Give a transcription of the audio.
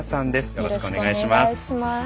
よろしくお願いします。